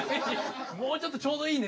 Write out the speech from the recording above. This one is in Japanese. もうちょっとちょうどいい。